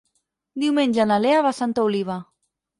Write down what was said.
Diumenge na Lea va a Santa Oliva.